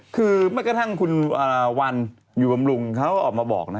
คือแม้กระทั่งคุณวันอยู่บำรุงเขาก็ออกมาบอกนะ